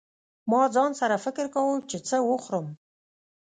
ما ځان سره فکر کاوه چې څه وخورم.